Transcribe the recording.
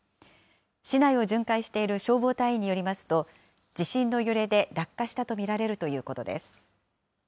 市内を巡回している消防隊員によりますと、地震の揺れで落下したと見られるということです。